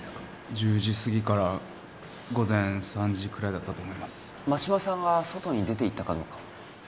１０時すぎから午前３時くらいだったと思います真島さんが外に出て行ったかどうかは？